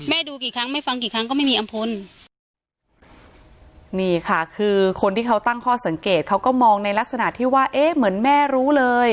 แม่ดูกี่ครั้งไม่ฟังกี่ครั้งก็ไม่มีอำพล